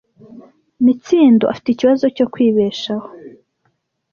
Mitsindo afite ikibazo cyo kwibeshaho.